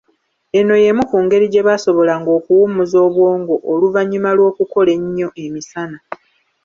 Eno y’emu ku ngeri gye baasobolanga okuwummuza obwongo oluvanyuma lw’okukola ennyo emisana.